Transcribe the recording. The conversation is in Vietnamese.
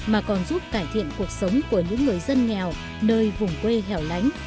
mà còn giúp cải thiện cuộc sống của những người dân nghèo nơi vùng quê hẻo lánh